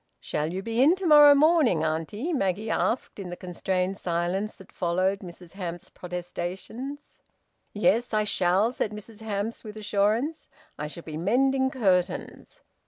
"Shall you be in to morrow morning, auntie?" Maggie asked, in the constrained silence that followed Mrs Hamps's protestations. "Yes, I shall," said Mrs Hamps, with assurance. "I shall be mending curtains."